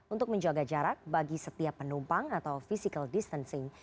untuk menjaga jarak bagi setiap penumpang atau physical distancing